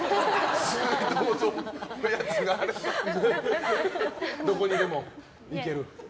水筒とおやつがあればどこにでも行ける？